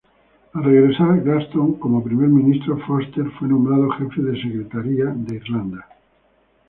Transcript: Al regresar Gladstone como primer ministro, Forster fue nombrado Jefe de Secretaría de Irlanda.